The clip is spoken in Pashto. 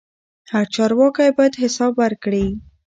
هر چارواکی باید حساب ورکړي